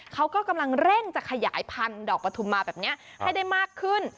เขาก็กำลังเร่งจะขยายพันธุ์ดอกประทุมมาแบบนี้ให้ได้มากขึ้น